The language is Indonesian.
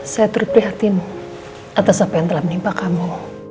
saya teruji hatimu atas apa yang telah menimpa kamu